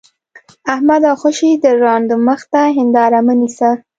احمده! خوشې د ړانده مخ ته هېنداره مه نيسه.